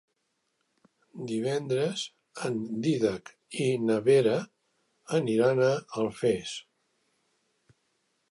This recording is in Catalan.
Divendres en Dídac i na Vera aniran a Alfés.